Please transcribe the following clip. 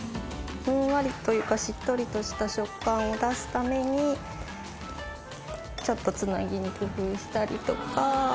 ふんわりというかしっとりとした食感を出すためにちょっとつなぎに工夫したりとか。